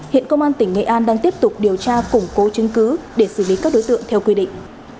hiện công an tỉnh nghệ an đang tiếp tục điều tra củng cố chứng cứ để xử lý các đối tượng theo quy định